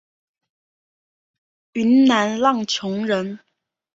云南浪穹人。